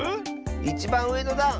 いちばんうえのだん！